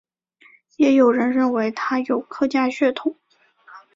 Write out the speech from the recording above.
也有人认为他有客家血统。